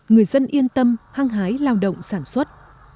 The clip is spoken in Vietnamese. người dân yên tâm hăng hái lao động sản xuất